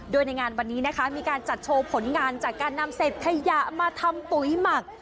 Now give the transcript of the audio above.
โดยในงานวันนี้นะคะมีการจัดโชว์ผลงานจากการนำเศษขยะมาทำปุ๋ยหมัก